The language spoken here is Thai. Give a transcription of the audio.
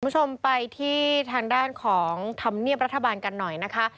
คุณผู้ชมไปที่ทางด้านของธรรมเนียบรัฐบาลกันหน่อยนะคะ